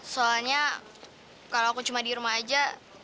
soalnya kalau aku cuma di rumah aja